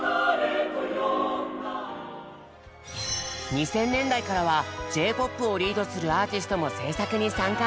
２０００年代からはＪ−ＰＯＰをリードするアーティストも制作に参加。